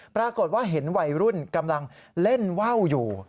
ปรากฏว่าเห็นวัยรุ่นกำลังเล่นว่าวอยู่